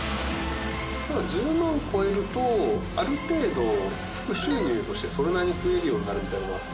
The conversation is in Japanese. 超えるとある程度副収入としてそれなりに食えるようになるみたいなのあって。